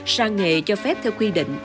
sang nghề cho phép theo quy định